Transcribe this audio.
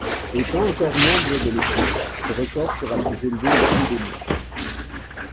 Étant encore membre de l'équipe, ce record sera plus élevé au fil des mois.